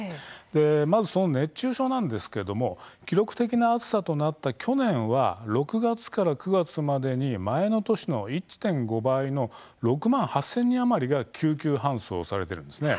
まず、その熱中症なんですが記録的な暑さとなった去年は６月から９月までに前の年の１．５倍の６万８０００人余りが救急搬送されています。